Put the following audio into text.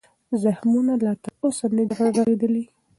زخمونه لا تر اوسه نه دي رغېدلي.